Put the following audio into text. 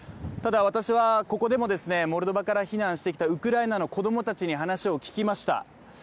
ただ、私はここでもモルドバから避難してきたウクライナの子供たちに話を聞きました。